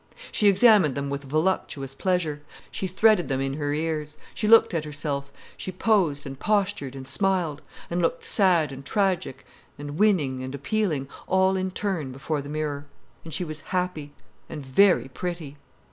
She examined them with voluptuous pleasure, she threaded them in her ears, she looked at herself, she posed and postured and smiled, and looked sad and tragic and winning and appealing, all in turn before the mirror. And she was happy, and very pretty.